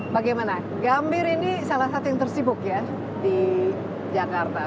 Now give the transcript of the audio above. bagaimana gambir ini salah satu yang tersibuk ya di jakarta